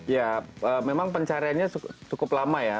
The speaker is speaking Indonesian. ya memang pencariannya cukup lama ya